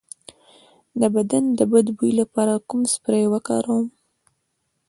د بدن د بد بوی لپاره کوم سپری وکاروم؟